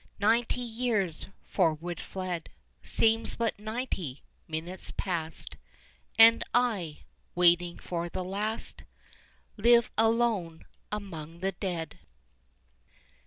Ninety years forever fled, Seem but ninety minutes past, And I, waiting for the last, Live alone among the dead.